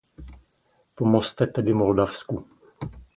Pomozme tedy Moldavsku.